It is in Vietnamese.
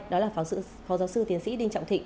đó là phó giáo sư tiến sĩ đinh trọng thịnh